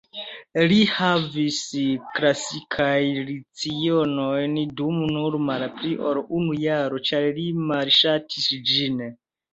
Li havis klasikajn lecionojn dum nur malpli ol unu jaro ĉar li malŝatis ĝin.